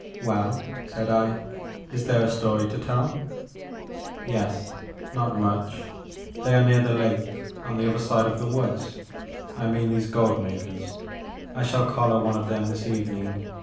Well, said I, *Ms there a story to tell ?Yes, not much. They are near the lake on Tlie Maker of Moons. 33 the other side of the woods, — I mean these gold makers. I shall collar one of them this evening.